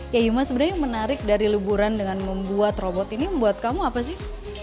ya yuma sebenarnya menarik dari liburan dengan membuat robot ini membuat kamu apa sih